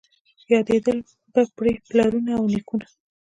یادېدل به پرې پلرونه او نیکونه